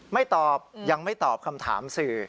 ไม่ตอบยังไม่ตอบคำถามสื่อ